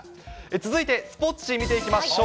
続いて、スポーツ紙、見ていきましょう。